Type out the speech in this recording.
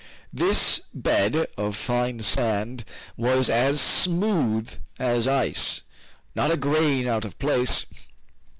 This bed of fine sand was as smooth as ice, not a grain out of place.